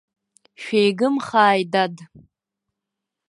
Шәеигымхааит, дад.